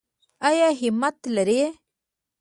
ایا همت لرئ؟